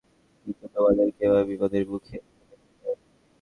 কিন্তু তোমাদেরকে এভাবে বিপদের মুখে ঠেলে দিতে পারি না।